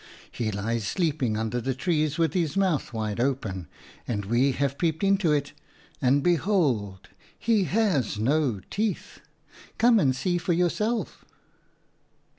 He lies sleeping under the trees with his mouth wide open, and we have peeped into it, and behold, he has no teeth ! Come and see for yourself.'